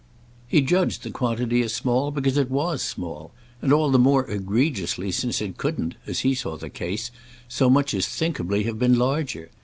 He judged the quantity as small because it was small, and all the more egregiously since it couldn't, as he saw the case, so much as thinkably have been larger.